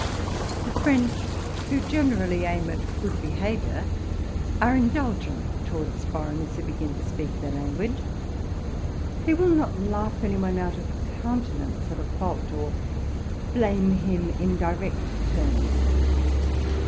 The French, who generally aim at good behavior, are in dulgent towards foreigners who begin to speak their lan guage: they will not laugh any one out of countenance at a mistake, or blame him in direct terms.